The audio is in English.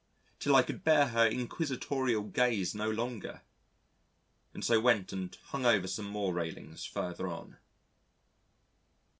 till I could bear her inquisitorial gaze no longer, and so went and hung over some more railings further on.